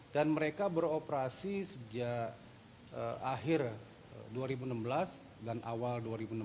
dan mereka beroperasi sejak akhir dua ribu enam belas dan awal dua ribu enam belas